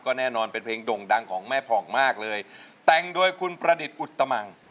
แน่นอนเป็นเพลงด่งดังของแม่ผ่องมากเลยแต่งโดยคุณประดิษฐ์อุตมัง